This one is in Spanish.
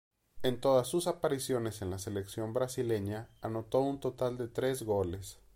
En todas sus apariciones en la selección brasileña anotó un total de tres goles.